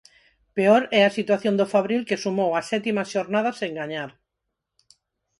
Peor é a situación do Fabril que sumou a sétima xornada sen gañar.